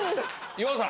岩尾さん！